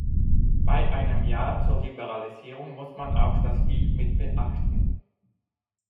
Bei einem Ja zur Liberalisierung muss man auch das Wie mit beachten.